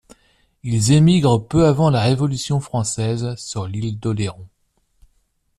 Ils émigrent peu avant la Révolution française sur l'Île d'Oléron.